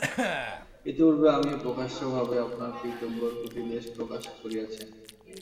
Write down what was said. ইতিপূর্বে আপনি প্রকাশ্য ভাবে আপনার পিতৃব্যের প্রতি দ্বেষ প্রকাশ করিয়াছেন।